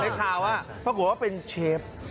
เพราะผมกลัวว่าเป็นเชฟ